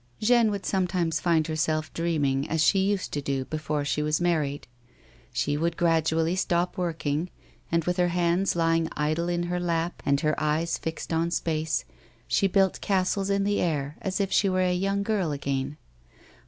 Jeanne would sometimes find herself dreaming as she used to do before she was married. She would gradually stop working, and with her hands lying idle in her lap and her eyes fixed on space, she built castles in the air as if she were a young girl again.